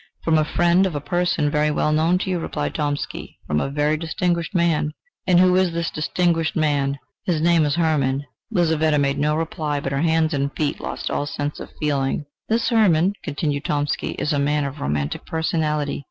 "From a friend of a person very well known to you," replied Tomsky, "from a very distinguished man." "And who is this distinguished man?" "His name is Hermann." Lizaveta made no reply; but her hands and feet lost all sense of feeling. "This Hermann," continued Tomsky, "is a man of romantic personality.